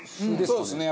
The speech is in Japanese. そうですね。